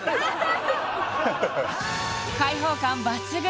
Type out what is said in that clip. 開放感抜群！